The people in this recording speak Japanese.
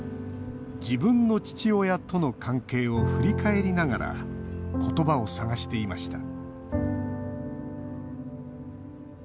自分の父親との関係を振り返りながら言葉を探していました